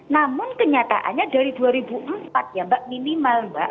namun kenyataannya dari dua ribu empat ya mbak minimal mbak